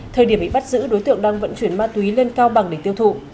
thời điểm bị bắt giữ đối tượng đang vận chuyển ma túy lên cao bằng để tiêu thụ